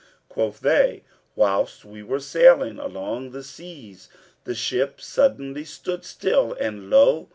Quoth they, 'Whilst we were sailing along the seas the ship suddenly stood still and lo!